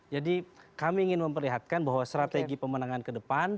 jadi kami ingin memperlihatkan bahwa strategi pemenangan kedepan